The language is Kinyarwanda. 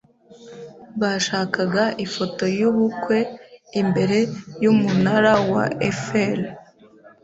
Bashakaga ifoto yubukwe imbere yumunara wa Eiffel.